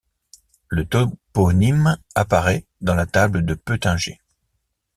Le toponyme apparaît dans la Table de Peutinger.